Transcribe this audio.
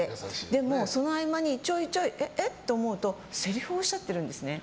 でも、その合間にちょいちょい、え？って思うとせりふをおっしゃってるんですね。